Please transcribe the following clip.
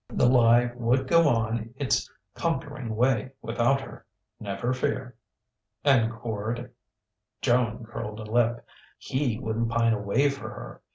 "The Lie" would go on its conquering way without her never fear! And Quard? Joan curled a lip: he wouldn't pine away for her.